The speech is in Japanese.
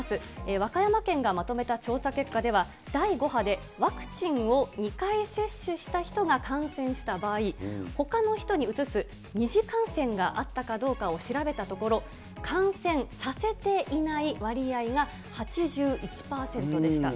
和歌山県がまとめた調査結果では、第５波でワクチンを２回接種した人が感染した場合、ほか人にうつす二次感染があったかどうかを調べたところ、感染させていない割合が８１％でした。